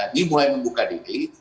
ini mulai membuka diri